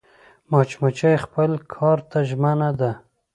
مچمچۍ خپل کار ته ژمنه ده